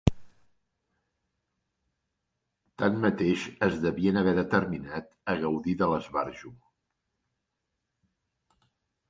Tanmateix es devien haver determinat a gaudir de l'esbarjo